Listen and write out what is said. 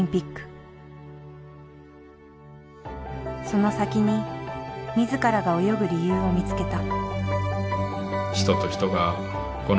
その先に自らが泳ぐ理由を見つけた。